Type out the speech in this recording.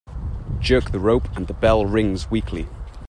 Jerk the rope and the bell rings weakly.